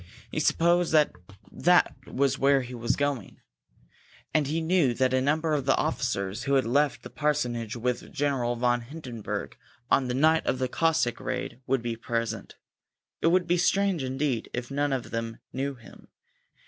He supposed that that was where they were going, and he knew that a number of the officers who had left the parsonage with General von Hindenburg on the night of the Cossack raid would be present. It would be strange, indeed, if none of them knew him.